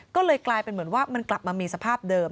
ก็เลยกลายเป็นเหมือนว่ามันกลับมามีสภาพเดิม